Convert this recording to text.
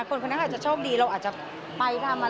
คนคนนั้นอาจจะโชคดีเราอาจจะไปทำอะไร